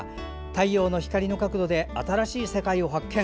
太陽の光の角度で新しい世界を発見。